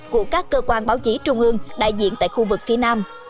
của các cơ quan báo chí trung ương đại diện tại khu vực phía nam